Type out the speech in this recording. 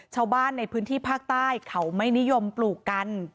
ชาวบ้านในพื้นที่ภาคใต้เขาไม่นิยมปลูกกัน